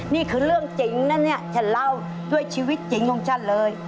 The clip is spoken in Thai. นี่คือเรื่องเจ๋งนะเนี่ยฉันเล่าด้วยชีวิตเจ๋งของฉันเลย